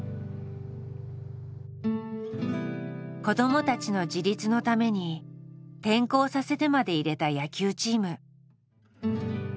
子どもたちの自立のために転校させてまで入れた野球チーム。